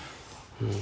うん。